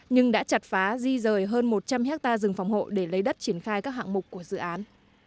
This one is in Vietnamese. nhưng đã chặt phá di rời hơn một trăm linh hectare rừng phòng hộ để lấy đất triển khai các hạng mục của dự án